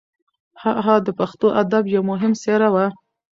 هغه د پښتو ادب یو مهم څېره وه.